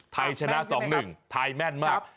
ไทยชนะ๒๑ไทยแม่นมาก